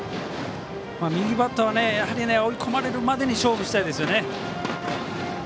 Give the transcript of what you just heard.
右バッターは追い込まれるまでに勝負したいですね。